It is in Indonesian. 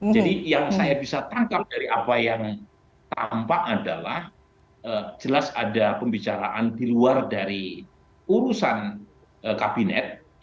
jadi yang saya bisa tangkap dari apa yang tampak adalah jelas ada pembicaraan di luar dari urusan kabinet